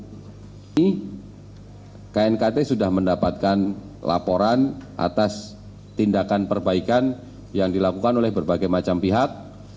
ini knkt sudah mendapatkan laporan atas tindakan perbaikan yang dilakukan oleh berbagai macam pihak